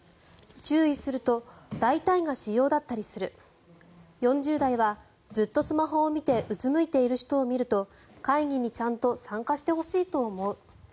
注意すると大体が私用だったりする４０代は、ずっとスマホを見てうつむいている人を見ると会議にちゃんと参加してほしいと思う。